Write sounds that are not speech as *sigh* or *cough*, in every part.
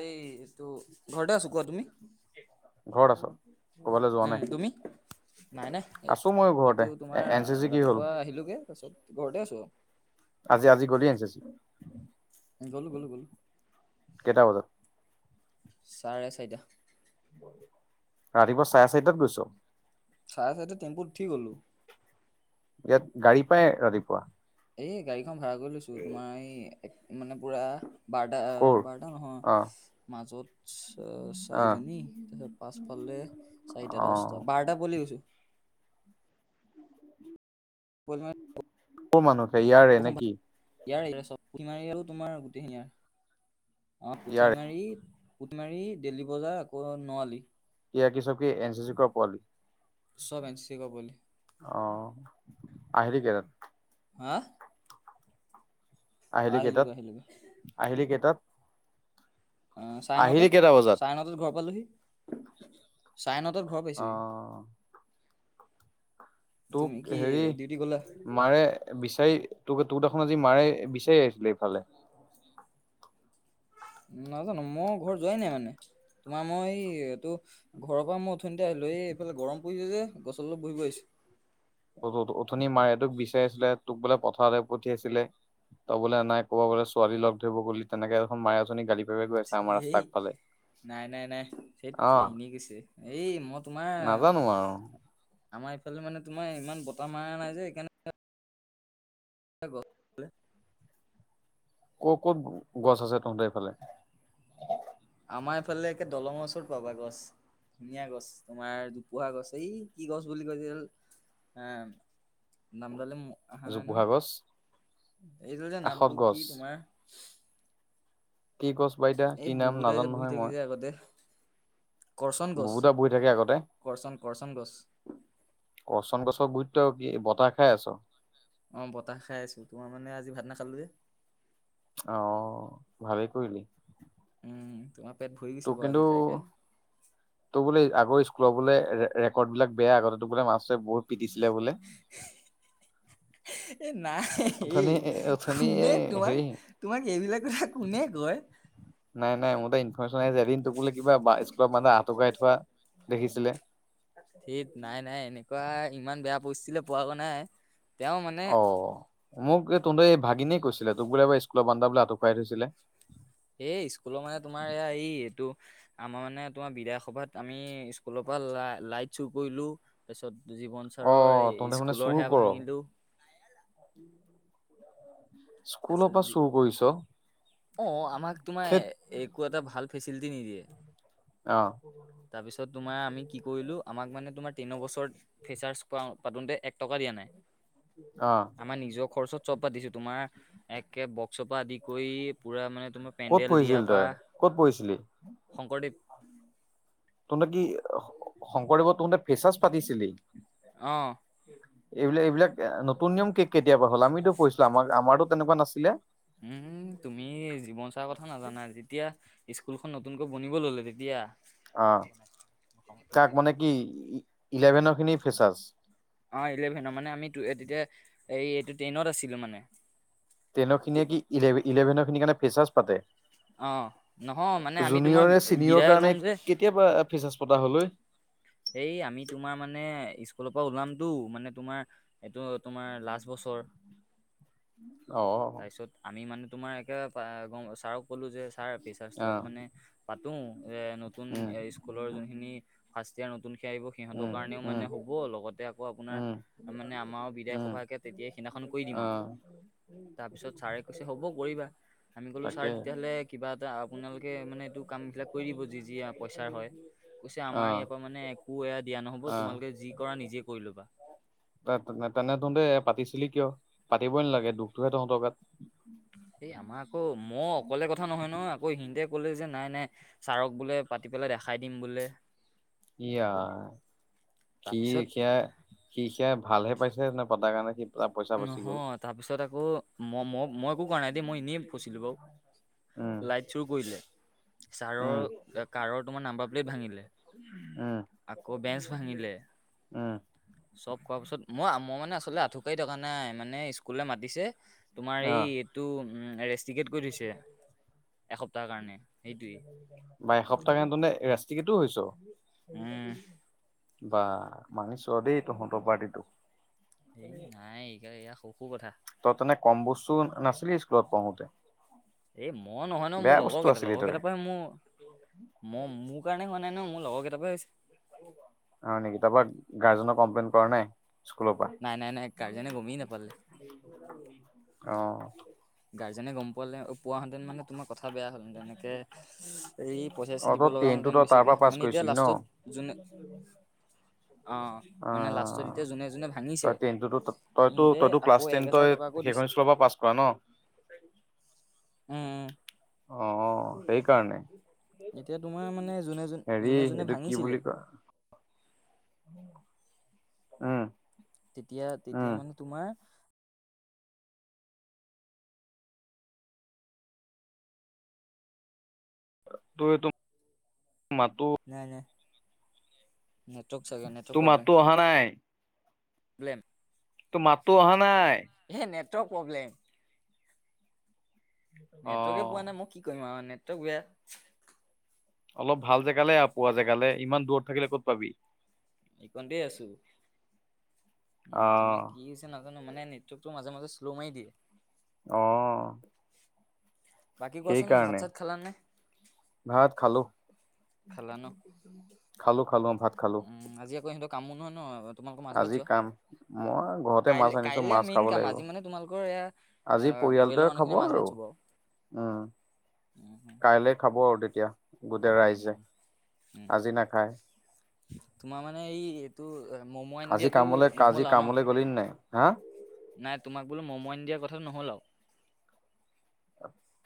এই এইটো ঘৰতে আছো, কোৱা তুমি? ঘৰত আছ কৰ'বালে যোৱা উম নাই? তুমি? নাই নাই আছো ময়ো এইটো ঘৰতে। তোমাৰ এন চি চি কি হ'ল? ৰাতিপুৱা আহিলোগে, তাৰপিছত ঘৰতে আছোঁ আৰু। আজি আজি গলি *unintelligible* গ'লোঁ গ'লোঁ গ'লোঁ। কেইটা বজাত? চাৰে চাৰিটা। ৰাতিপুৱা চাৰে চাৰিটাত গৈছ? চাৰে চাৰিটাত টেম্পুত উঠি গ'লোঁ। ইয়াত গাড়ী পাই ৰাতিপুৱা? এই গাড়ীখন ভাড়া কৰি লৈছোঁ, তোমাৰ এই এক মানে পুৰা বাৰটা, ক'ৰ? বাৰটা নহয়, অ' মাজত অ' চা-চাৰিজনী তাৰপিছত পাচফালে চাৰিটা দহটা, অ' বাৰটা পোৱালি গৈছোঁ। *unintelligible* ক'ৰ মানুহ, ইয়াৰে নে কি? ইয়াৰে ইয়াৰ চব, পুঠিমাৰি আৰু তোমাৰ গোটেইখিনিৰ। অ' ইয়াৰে। পুঠিমাৰি পুঠিমাৰি, ডেলী বজাৰ আকৌ ন' আলি। ইয়াৰ কি চব কি এন চি চি কৰা পোৱালি? চব এন চি চি কৰা পোৱালি। অ' আহিবি কেইটাত? হা? আহিলি কেইটাত, আহিলোগৈ আহিলোগৈ আহিলি কেইটাত? অ' চাৰে আহিলি নটাত, কেইটা বজাত? চাৰে নটাত ঘৰ পালোহি। চাৰে নাটত ঘৰ পাইছোঁহি। অ' তোক কি হেৰি ডিউটি গ'লা মাৰে বিচাৰি তো-তোক দেখোন আজি মাৰে বিচাৰি আহিছিলে এইফালে। নাজানো। মই ঘৰত যোৱাই নাই মানে, তোমাৰ মই এইটো ঘৰৰপৰা মই অথনিতে আহিলোঁ, এ, এইফালে গৰম পৰিছে যে গছৰ তলত বহিব আহিছোঁ। অ-অ-অথনি মাৰে তোক বিচাৰিছিলে, তোক বোলে পথাৰলে পঠিয়াইছিলে। তই বোলে নাই, ক'বাত বুলে ছোৱালী লগ ধৰিব গ'লি তেনেকে এখন মায়ে অথনি গালি পিছে আমাৰ সেই ৰাস্তাৰ আগফালে। নাই নাই নাই, ধেত অহ এনেই কৈছে। এই মই তোমাৰ নাজানো আৰু আমাৰ এইফালে মানে তোমাৰ ইমান বতাহ মাৰা নাই যে সেইকাৰণে *unintelligible* ক'ত ক'ত গছ আছে তহঁতৰ এইফালে? আমাৰ এইফালে একে দলঙৰ ওচৰত পাবা গছ। ধুনীয়া গছ, তোমাৰ দুপোহা গছ, এই কি গছ বুলি কয় যে এইডাল এ নামডালে আহা নাই ন'। জোপোহা গছ এইডাল যে কাষত নামটো গছ কি তোমাৰ কি গছ বা এতিয়া কি এই নাম ববুদাই যে নাজানো বহি নহয় থাকি মই যে আগতে। কৰচন গছ, বুবুতা বহি থাকে আগতে কৰচন কৰচন গছ। কৰচন গছৰ গুৰিত তই কি বতাহ খাই আছ? অ' বতাহ খাই আছোঁ, তোমাৰ মানে আজি ভাত নাখালোঁ যে। অ' ভালেই কৰিলি। উম। তোমাৰ পেট ভৰি গৈছে ত' বাৰু কিন্তু আজি খাই খাই তোৰ বোলে আগৰ স্কুলৰ বোলে ৰে-ৰেকৰ্ডবিলাক বেয়া, আগতে তোক বোলে মাষ্টৰে বহুত পিটিছিলে বোলে। এ নাই অথনি এই অথনি কোনে এই তোমাক হেৰি তোমাক এইবিলাক কথা কোনে কয়? নাই নাই মোৰ এটা ইনফৰৰ্মেশ্যন আহি যাই এদিন টোক বোলে কিবা বা স্কুলৰ বানে আঁতুকাই থোৱা দেখিছিলে। ঠিক নাই নাই এনেকুৱা ইমান বেয়া পৰিস্থিতিলৈ পোৱা নাই। তেওঁ মানে অ মোক তু এই ভাগিননেীয়ে কৈছিলে তোক বোলে এবাৰ স্কুলৰ বানা বোলে হঁত খুৱাই থৈছিলে। এই স্কুলৰ মানে তোমাৰ এয়া এই এইটো। আমাৰ মানে তোমাৰ বিধায় সভাত আমি স্কুলৰ পৰা ল লাইট চুৰ কৰিলো। তাৰপিছত জীৱন অ চাৰৰ তহঁতে মানে স্কুলৰ চুৰ সেয়া কৰ ভাঙিলো। *unintelligible* স্কুলৰ পৰা তাৰপিছত যি চুৰ কৰিছ অঁ, আমাক তোমাৰ থেত এক। একো এটা ভাল ফেচিলিটি নিদিয়ে অ তাৰপিছত তোমাৰ আমি কি কৰিলো। আমাক মানে তোমাৰ তিনি বছ ফেচাৰ্চ পাতোতে এক টকা দিয়া নাই। অঁ। আমাৰ নিজৰ খৰচত চব পাতিছো তোমাৰ একে বক্সৰ পৰা আদি কৰি পুৰা মানে তোমাৰ। ক'ত পেণ্ডেল পঢ়িছিলি দিয়াৰ তই পৰা ক'ত পঢ়িছিলি? শংকৰদেৱ, তহঁতে কি শঙ্কৰদেৱত তহঁতে ফেচাৰ্জ পাতিছিলি। অঁ, এইবিলাক এইবিলাক নতুন নিয়ম কে কেতিয়াবা হ'ল আমিতো পঢ়ছিলো আমাক আমাৰতো তেনেকুৱা নাছিলে। উম তুমি জীৱন চাৰ কথা নাজানা যেতিয়া, স্কুলখন নতুনকৈ বনিব ললে তেতিয়া। অঁ, তাক মানে কি ইলেভেনৰ খিনি ফেচাৰ্য। অঁ ইলেভেনৰ মানে আমি ট তেতিয়া এই এইটো টেনত আছিলোঁ মানে। টেনৰ খিনিয়ে তে- কি ইলেভেনৰ খিনিৰ কাৰণে ফেচাৰছ পাতে। অ', নহয় মানে আমি তোমাৰ জুনিয়ৰে চিনিয়ৰ বিদায় কাৰণে ল'ম যে কেতিয়াবা ফেছাৰ্জ পতা হল অই? এই আমি তোমাৰ মানে স্কুলৰ পৰা ওলামতটো মানে তোমাৰ। এইটো তোমাৰ লাষ্ট বছৰ। ঐ। অ', তাৰপিছত আমি মানে তোমাৰ একে গ ছাৰক ক'লো যে ছাৰ? ফিচাচৰ অ', মানে পাতো এ নতুন উম, স্কুলৰ যোনখিনি। যেতিয়া নতুন খে আহিব সিহঁতৰ উম, কাৰণেও উম, মানে হ'ব লগতে আকৌ আপোনাৰ। উম, ত মানে আমাৰ বিধায়ক উম, সভাকে তেতিয়াই সিদিনাখন কৰি দিম আৰু। অ'। তাৰপিছত ছাৰে কৈছে হ'ব কৰিবা। আমি কলো তাকে ছাৰ তেতিয়াহ'লে কিবা এটা আপোনালোকে মানে এইটো কামবিলাক কৰি দিব যি যি পইচা হয়। কৈছে আমাৰ অ', ইয়াৰ পৰা মানে একো এয়া দিয়া নহব অ', তোমালোকে যি কৰা নিজে কৰি ল'বা। তেনে তহঁতে পাতিছিলি কিয় পাতিবই নালাগে দুখটোহে তহঁতৰ গাত। এই আমাৰ আকৌ মই অকলে কথা নহয় ন আকৌ হিনতে ক'লে যে নাই নাই। ছাৰক বোলে পাতি পেলাই দেখাই দিম বোলে। ইয়া কি এ তাৰপিছত কয়া *unintelligible* সি সেয়াই ভালহে পাইছে নে পতাৰ কাৰণে সি। পইচা বাচি গ'ল। নহয় তাৰ পিছত আকৌ মই মই মই একো কৰা নাই দে মই এনেই ফচিলো বাৰু। উম, লাইট চুৰ কৰিলে উম, ছাৰৰ কাৰৰ তোমাৰ নাম্বাৰ প্লেট ভাঙি দিলে। উম, আকৌ বেঞ্চ ভাঙিলে। উম, চব কৰোৱাৰ পিছত মই মই মানে আচলতে আঁঠুকাৰি থকা নাই মানে স্কুলে মাতিছে। তোমাৰ এই অ', এইটো উম ৰেষ্টিকেট কৰি থৈছে এসপ্তাহ কাৰণে সেইটোৱে। বা এসপ্তাহ কে তনে ৰেষ্টিকেটো হৈছোঁ। উম বাঃ মানিছোঁ আৰু দেই তহঁতৰ পাৰ্টিটোক এই নাই, এই এইয়া স সৰু কথা তই তেনে কম বস্তু নাছিলি, স্কুলত পঢ়োঁতে এই, মই নহয় ন, মোৰ লগৰ কেইটা, আছিলি লগৰ তই কেইটাৰ পৰাই মোৰ মই, মোৰ কাৰণে হোৱা নাই ন, মোৰ লগৰকেটাৰ পৰাই হছে। হয় নেকি? তাৰপৰা, গাৰ্জেনক কমপ্লেন কৰা নাই? স্কুলৰ পৰা, নাই নাই নাই গাৰ্জেনে গমেই নাপালে অঁ গাৰ্জেনে গম পোৱালে, অ পোৱাহেঁতেন মানে তোমাৰ কথা বেয়া হ'ল হেন, তেনেকে এই অ পইচা-চচা দিব তই লগা টেনটো হ'লহঁতেন তই তাৰ বেছিকে, পৰা পাছ মানে এতিয়া কৰিছিলি ন লাষ্টত যোনে অ, অ মানে লাষ্টত এতিয়া যোনে-যোনে ভাঙিছে, তই টেনটোতো সিহেতে আকৌ এক হেজাৰ টকাকৈ দিছে। ত পৰা পাছ কৰা ন? উম উম। অ, সেই কাৰণে এতিয়া তোমাৰ মানে যোনে যোন হেৰি, যোনে যোনে এইটো কি ভাঙিছিলে বুলি কয় উম' তেতিয়া, উম তেতিয়া মানে তোমাৰ তো এইটো, মাতো নাই নাই, নেটৱৰ্ক চাগে, নেটৰ তোৰ প্ৰব্লেম। মাতো অহা নাই, ব্লেম, তোৰ মাতো অহা নাই এহে নেটৱৰ্ক প্ৰব্লেম নেটৱৰ্কে পোৱা অ নাই, মই কি কৰিম আঔ, নেটৱৰ্ক বেয়া। অলপ ভাল জেগালে আহ, পোৱা জেগালে, ইমান দূৰত থাকিলে ক'ত পাবি। এই কনবে আছোঁ। উম, তোমাৰ অ', কি হৈছে নাজানো মানে নেটৱৰ্কতটো মাজে-মাজে শ্ল মাৰি দিয়ে। অ *inaudible* বাকী কোৱাচোন ভাত সেইকাৰণে। চাত খালা নে? ভাত খালোঁ। খালা ন? খালোঁ খালোঁ অ, ভাত খালোঁ। উম, আজি আকৌ ইহঁত কামো নহয় ন, আগত তোমালোকৰ মাজবাত আজি চোৱা। কাম মই ঘৰতে মাছ আনিছো কাইল-কাইলে মাছ মেইন খাব কাম, লাগিব আজি মানে তোমালোকৰ এয়া- এ, আজি পৰিয়ালৰ পৰিয়ালটোৱে খাব মানুহখিনিয়ে মাছ-ভাত চুব আৰু উম, উম, উম, কাইলে খাব আৰু তেতিয়া গোটেই ৰাইজে, উম। উম। আজি নাখায়। তোমাৰ মানে এই এইটো মম আনি আজি দিয়াটো কামলে আজি নহল আঔ ন? কামলৈ গলি নে নাই? হা? নাই, তোমাক বোলো মম আনি দিয়া কথাটো নহ'ল আৰু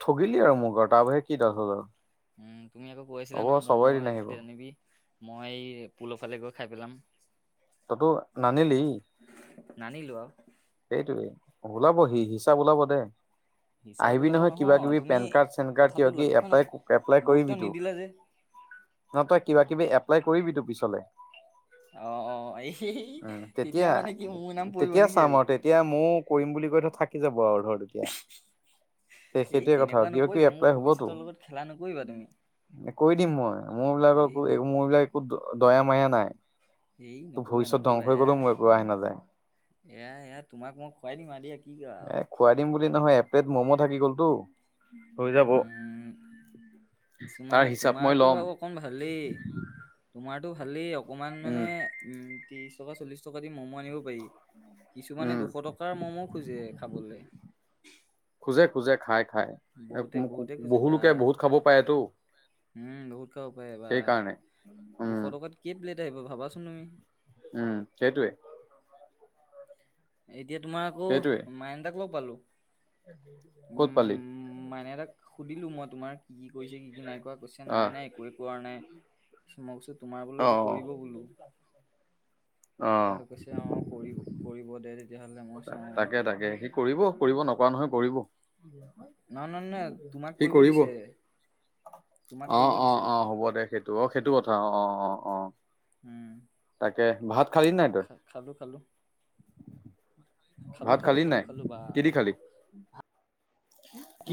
ঠগিলি আৰু মোক আৰু, তাৰ বাহিৰে কি তাত হ'ল আৰু। উম, তুমি আকৌ কৈ আছিলা ন, হ'ব ম'ম চবৰ দিন আহিব একপ্লেট আনিবি, মই পূলফালে গৈ খাই পেলাম। ততো, নানিলি? নানিলো আৰু সেইটোৱেই। ওলাব, হি-হিচাপ ওলাব দে। হিচাপ আহিবি ওলাব নহয়, কিবা-কিবি তুমি পেন কাৰ্ড, চেন কাৰ্ড কথাটো কিবা-কিবি লক্ষ্য ন এপাই-এপ্লাই গুৰুত্ব কৰিবিতো। নিদিলা যে ন' তই কিবা কিবি এপ্লাই কৰিবি তো পিছলে অ অ এই উম, তেতিয়া মানে কি মোৰ নাম পৰিব তেতিয়া নেকি চাম আকৌ আৰু তেতিয়া ময়ো কৰিম বুলি কৈ থ থাকি যাব আৰু ধৰ তেতিয়া। সেই এই সেইটোৱে কথা, তেনেকুৱা কিবা কিবি নকৰিবা মোৰ এপ্লাই হবতো ভৱিষ্যতৰ লগত খেলা নকৰিবা তুমি এ কৈ দিম মই মোৰ এই বিলাকক, ন মোৰ বিলাক দয়া ময়া নাই, এই তোৰ নকৰিবা ভৱিষ্যত নকৰিবা ধ্বংস হৈ এয়া গলেও মোৰ একো আহে নাযায় এয়া এয়া তোমাক মই খুৱাই দিম আৰু দিয়া কি এ আৰু খুৱাই দিম বুলি নহয় একপ্লেট ম'ম' থাকি গ'লতো। হৈ যাব উম তাৰ কিছুমানে হিচাপ মই তোমাৰতো লম বাৰু অকণ ভালেই তোমাৰতো ভালেই অকণমান মানে উম উম, ত্ৰিশ টকা, চল্লিশ টকা দি ম'ম আনিব পাৰি কিছুমানে উম দুশ টকাৰ ম'ম খোজে খাবলৈ খোজে - খোজে, খাই - খাই বহুতে বহুতে খোজে বা বহুুলোকে বহুত খাব পাৰেটো। উম, বহুত খাব পাৰে বাহ, দুশ উম, টকাত কেই প্লেট আহিব ভাবাচোন তুমি উম, সেইটয়ে এতিয়া তোমাৰ আকৌ সেইটোৱে মাইনটাক লগ পালো ক'ত পালি উম, মাইনা দাক সুধিলো মই তোমাৰ কি কি কৰিছে কি কি নাই কৰা, কৈছে নাই আহ - নাই একোৱে কোৱা নাই। মই কৈছো তোমাৰ বোলো এইটো অ', কৰিব বোলো অ', দে অ', হৈ কৈছে অ', অ', কৰিব কৰিব দে তেতিয়াহ'লে মই কৈছোঁ অ' তাকে তাকে সি কৰিব কৰিব নকৰা নহয় কৰিব নহয় নহয় নহয় তোমাক সি কৰিব? দিছে। তোমাক কৰিব অ', দিছে অ', অ', হ'ব দে সেইটো অ', সেইটো কথা অ', অ', অ', অ' উম, তাকে ভাত খালি নাই তই? খা খালোঁ খালোঁ। খালোঁ ভাত খালোঁ খালি খালোঁ নাই, খালোঁ বা কিদি খালি?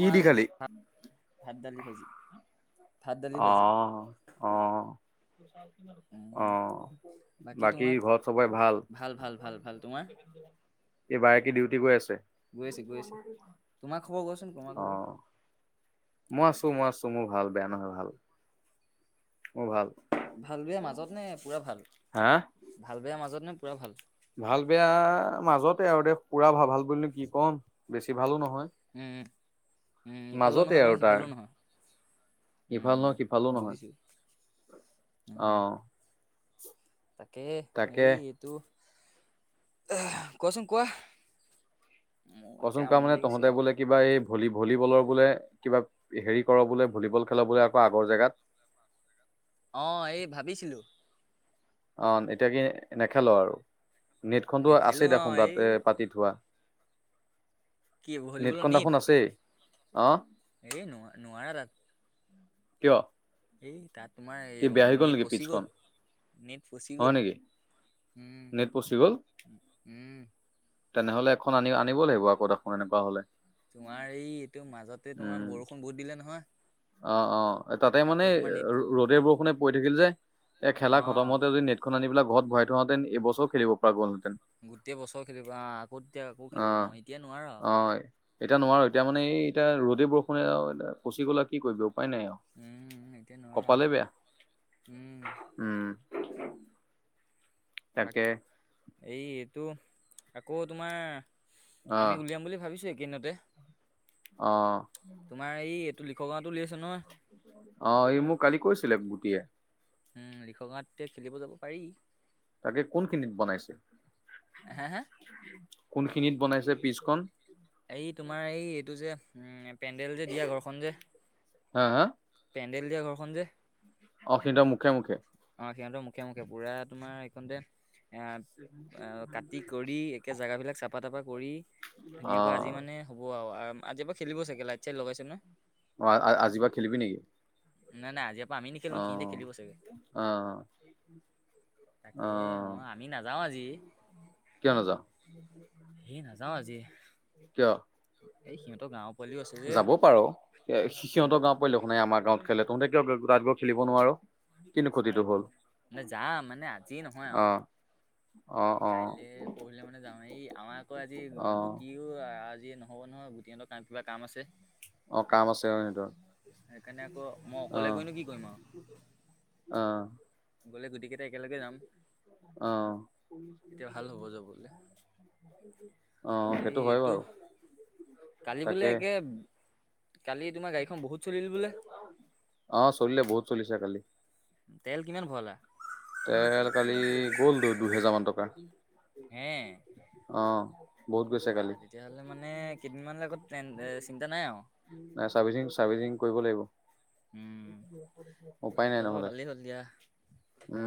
মই দি আজি খালি ভাত ভাত দালি ভাজি। অ', অ', উম, অ', বাকী ঘৰত চবৰে ভাল? ভাল ভাল ভাল তোমাৰ? এই বায়েকী ডিউটি গৈ আছে? গৈ আছে, গৈ আছে তোমাৰ খবৰ কোৱাচোন তোমাৰ খবৰ? অ', মই আছো, মই আছো মোৰ ভাল বেয়া নহয় ভাল। মোৰ ভাল। ভাল বিয়া মাজত নে পুৰা ভাল? হা? ভাল বেয়া মাজত নে পুৰা ভাল? ভাল বেয়া মাজতে আৰু দে পুৰা ভাল - ভাল বুলিনো কি ক'ম বেছি ভালো নহয়। উম, উম, ইফালো মাজতে নহয় আৰু মানে তাৰ সিফালো নহয়। ইফাল উম, নহয় সিফালো নহয় বুজিছো উম। অ'। *inaudible* তাকে তাকে এই এইটো আহ কোৱাচোন কোৱা। মোৰ একে কচোন কোৱা আমনি মানে লাগিছে তহঁতে আৰু বোলে কিবা এই ভলী ভলীবলৰ বোলে কিবা হেৰি কৰ বোলে ভলীবল খেল' বোলে আকৌ আগৰ জেগাত। অ', এই ভাবিছিলোঁ। অ' এতিয়া কি নেখেলো আৰু? নেটখনতো নেখেলো আছেই দেখোন আৰু তাত এই পাতি থোৱা। কি ভলীবলৰ নেটখন নেট দেখোন আছেই আহ। এই নোৱাৰা নোৱাৰা তাত। কিয়? এই তাত কি বেয়া তোমাৰ হৈ গ'ল নেট নেকি পচি গ'ল পিছখন নেট ফচি হয় গ'ল। নেকি উম', নেট পচি গ'ল উম ' তেনেহলে এখন আনি আনিব লাগিব আকৌ দেখোন এনেকুৱা হ'লে। নোৱাৰি এই এইটো মাজতে তোমাৰ উম। বৰষুণ বহুত দিলে নহয়। অ', অ' তাতে মানে তোমাৰ ৰ'দ নেটখন - ৰ'দে বৰষুণে পৰি থাকিল যে এই খেলা অ খতম হতে যদি সেইখন আনিবিলাই ঘৰত ভৰাই থোৱাহেঁতেন বছৰ খেলিব পৰা হ'লহেতেন। গোটেই বছৰ খেলিব আহ আকৌ তেতিয়া আকৌ অ খেলিব মই এতিয় নোৱাৰ। অ এতিয়া নোৱাৰো এতিয়া মানে এই এতিয়া ৰ'দে বৰষুণে আৰু পচি গ'লা কি কৰিব উপায় নাই আৰু। উম, এতিয়া নোৱাৰা কপালে বেয়া উম। উম বাক তাকে এই এইটো আকৌ তোমাৰ- অ আমি উলিয়াম বুলি ভাবিছো একেকেইদিনতে। অ, তোমাৰ এই এইটো লিখোগাওটো উলিয়াই আছে ন। অ', এই মোক কালি কৈছিলে গুটীয়ে। উম', লিখোগাও এতিয়া খেলিব যাব পাৰি। তাকে কোনখিনিত বনাইছে? হা, হা? কোনখিনিত বনাইছে পিচখন? এই তোমাৰ এই এইটো যে উম, পেণ্ডেল যে দিয়া ঘৰখন যে- হা হা পেণ্ডেল দিয়া ঘৰখন যে। অ, সিধৰ মুখে-মুখে- অ, সিহঁতৰ মুখে - মুখে পুৰা তোমাৰ এইখনতে এ কাটি কৰি। জেগাবিলাক চফা-তাফা কৰি। অ ধুনীয়াকে আজি মানে হ'ব আৰু আজি পৰা খেলিব চাগে লাইট-চাইট লগাইছো ন'। অঁ', আজি পৰা খেলিবি নেকি? নাই নাই আজিৰ পৰা আমি অ নেখেলো সিহতে খেলিব চাগে। অ অ তাকে মই- আমি নাযাওঁ আজি কিয় নাযাওঁ সেই নাযাওঁ আজি। কিয় এই সিহঁতৰ গাঁৱৰ পোৱালিও আছে যে যাব পাৰো এ সি সিহঁতৰ গাওঁত। প দে শু নাই আমাৰ গাঁৱত খেলে তহঁতে কিয় গোত গৈ খেলিব নোৱাৰ? কিন্তু ক্ষতিটো হ'ল মানে যাম মানে আজি নহয় আৰু আহ। এই কাইলে পৰহিলে মানে যামেই এই আমাৰ আকৌ আজি অ গুটি। এই আজি নহ'ব নহয় গুটিতৰ কিবা কাম আছে? আহ কাম আছে অ সিহঁতৰ সেইকাৰণে আকৌ মই অকলে আহ। গৈনো কি কৰিম আৰু অ', গ'লে গোটেইকেইটা একেলগে যাম। অ', তেতিয়া ভাল হ'ব যাবলে। অ এই সেইটো হয় এইটো বাৰু কালি বোলে তাকে একে- কালি, তোমাৰ গাড়ীখন বহুত চলিল বোলে। অ চলিলে বহুত চলিছে কালি। তেল কিমান ভৰালা? তেল, কালি গ'ল দ দুহেজাৰ মান টকা। এ অঁ! বা তেতিয়াহলে মানে কেইদিনমানলে আকৌ চিন্তা নাই আৰু। নাই চাৰ্ভিচিং, চাৰ্ভিচিং কৰিব লাগিব। উম, এ উপায় নাই সেইফালৰ পৰা নহ'লে, ভালেই হ'ল দিয়া। উম!